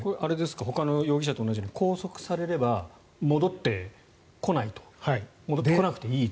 ほかの容疑者と同じように拘束されれば戻ってこないと戻ってこなくていいと。